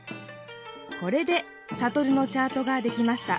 これでサトルのチャートができました。